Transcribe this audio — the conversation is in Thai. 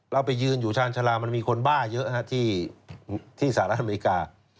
ไปยืนอยู่ชาญชาลามันมีคนบ้าเยอะที่สหรัฐอเมริกา